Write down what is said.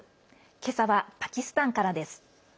今朝はパキスタンからです。